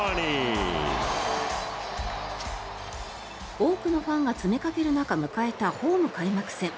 多くのファンが詰めかける中迎えたホーム開幕戦。